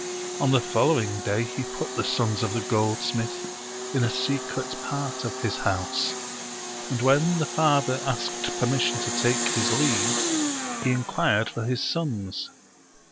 On the following day he put the sons of the goldsmith in a secret part of his house ; and when the father asked permission to take his leave he inquired for his sons.